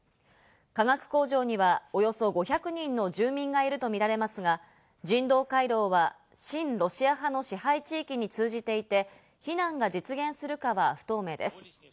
化学工場にはおよそ５００人の住民がいると見られますが、人道回廊は親ロシア派の支配地域に通じていて、避難が実現するかは不透明です。